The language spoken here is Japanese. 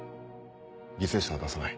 犠牲者は出さない。